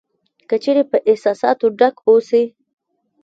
که چېرې په احساساتو ډک اوسې .